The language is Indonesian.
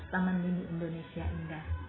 pengetatan protokol kesehatan taman mini indonesia indah